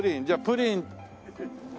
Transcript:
じゃあプリン。